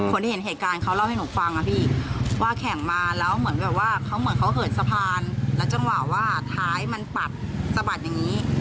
เห็นเหตุการณ์เขาเล่าให้หนูฟังอะพี่ว่าแข่งมาแล้วเหมือนแบบว่าเขาเหมือนเขาเหินสะพานแล้วจังหวะว่าท้ายมันปัดสะบัดอย่างนี้